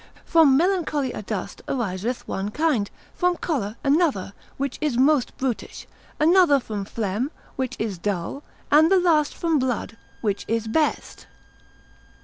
From melancholy adust ariseth one kind; from choler another, which is most brutish; another from phlegm, which is dull; and the last from blood, which is best.